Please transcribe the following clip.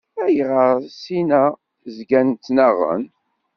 Ayɣer sin-a zgan ttnaɣen?